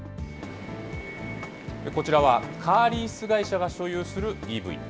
こちらはカーリース会社が所有するＥＶ。